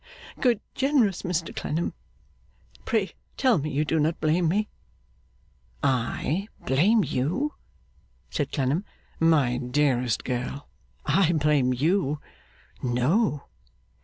Good, generous, Mr Clennam, pray tell me you do not blame me.' 'I blame you?' said Clennam. 'My dearest girl! I blame you? No!